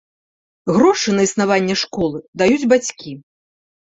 Грошы на існаванне школы даюць бацькі.